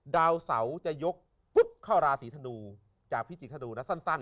ดาวเสาจะยกปุ๊บเข้าราศีธนูจากพิจิธนูนะสั้น